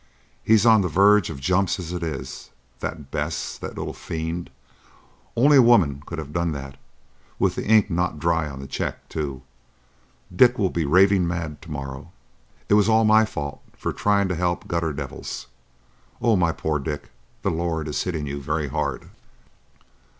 He's on the verge of jumps as it is. That's Bess,—the little fiend! Only a woman could have done that! with the ink not dry on the check, too! Dick will be raving mad to morrow. It was all my fault for trying to help gutter devils. Oh, my poor Dick, the Lord is hitting you very hard!"